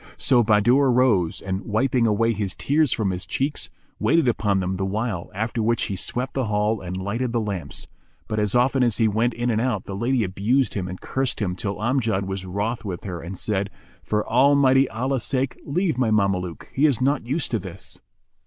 So Bahadur rose and, wiping away his tears from his cheeks, waited upon them the while, after which he swept the hall and lighted the lamps; but as often as he went in and out, the lady abused him and cursed him till Amjad was wroth with her and said, "For Almighty Allah's sake leave my Mameluke; he is not used to this."